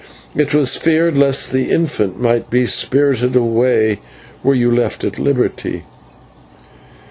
It was feared lest the infant might be spirited away, were you left at liberty."